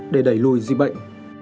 để đẩy lùi dịch bệnh